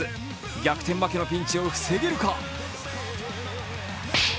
逆転負けのピンチを防げるか。